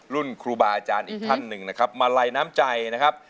ครูบาอาจารย์อีกท่านหนึ่งนะครับมาลัยน้ำใจนะครับ